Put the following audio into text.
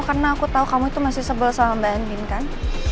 karena aku tau kamu itu masih sebel sama mbak ending kan